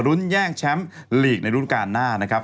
แย่งแชมป์ลีกในรุ่นการหน้านะครับ